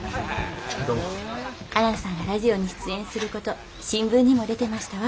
はなさんがラジオに出演する事新聞にも出てましたわ。